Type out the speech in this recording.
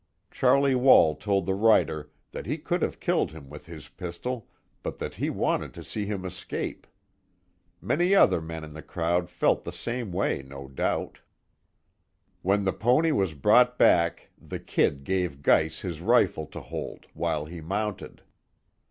Charlie Wall told the writer that he could have killed him with his pistol, but that he wanted to see him escape. Many other men in the crowd felt the same way, no doubt. When the pony was brought back the "Kid" gave Geiss his rifle to hold, while he mounted.